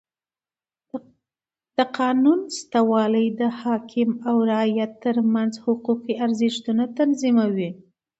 د قانون سته والى د حاکم او رعیت ترمنځ حقوقي ارزښتونه تنظیموي.